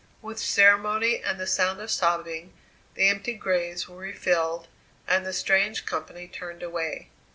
With ceremony and the sound of sobbing, the empty graves were refilled, and the strange company turned away.